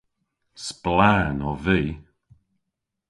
Splann ov vy.